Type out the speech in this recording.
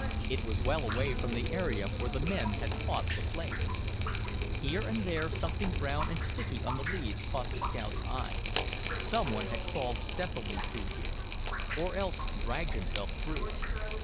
It was well away from the area where the men had fought the flames. Here and there something brown and sticky on the leaves caught the scout's eye. Some one had crawled stealthily through here. Or else— dragged himself through.